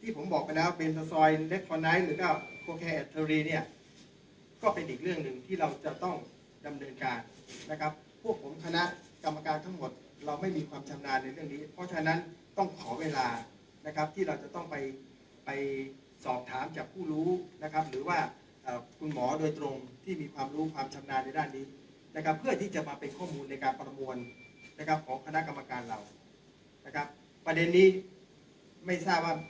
ที่ผมบอกไปนะครับก็เป็นอีกเรื่องหนึ่งที่เราจะต้องดำเนินการนะครับพวกผมคณะกรรมการทั้งหมดเราไม่มีความชำนาญในเรื่องนี้เพราะฉะนั้นต้องขอเวลานะครับที่เราจะต้องไปไปสอบถามจากผู้รู้นะครับหรือว่าอ่าคุณหมอโดยตรงที่มีความรู้ความชำนาญในด้านนี้นะครับเพื่อที่จะมาเป็นข้อมูลในการประมวลนะครับของคณะกรรมการเรานะครับ